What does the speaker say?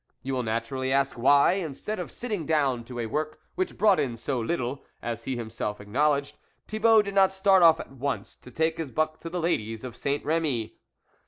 You will naturally ask why, instead of sitting down to a work which brought in so little, as he himself acknowledged, Thibault did not start off at once to take his buck to the ladies of Saint R6my.